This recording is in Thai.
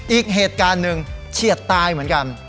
อีกเหตุการณ์หนึ่งเฉียดตายเหมือนกัน